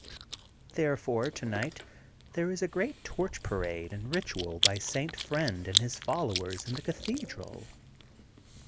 Therefore tonight there is a great torch parade and ritual by St. Friend and his followers in the cathedral.